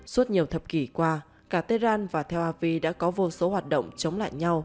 suốt nhiều thập kỷ qua cả tehran và theo av đã có vô số hoạt động chống lại nhau